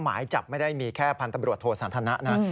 หมายจับไม่ได้มีแค่พันธุ์ตำรวจโทสันทนะนะ